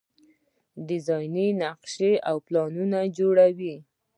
ډیزاین نقشې او پلانونه جوړوي.